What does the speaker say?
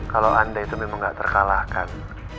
kalau anda itu memang tidak terkalahkan